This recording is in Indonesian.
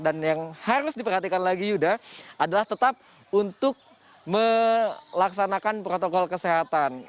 dan yang harus diperhatikan lagi yuda adalah tetap untuk melaksanakan protokol kesehatan